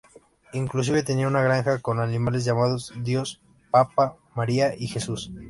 Inclusive tenía una granja con animales llamados Dios, Papa, María y Jesús.